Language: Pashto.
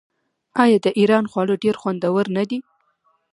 آیا د ایران خواړه ډیر خوندور نه دي؟